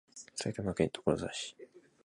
埼玉県所沢市